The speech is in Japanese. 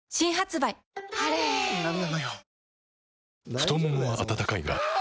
太ももは温かいがあ！